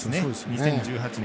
２０１８年